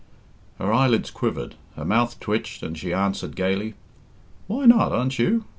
Her eyelids quivered, her mouth twitched, and she answered gaily, "Why not? Aren't you?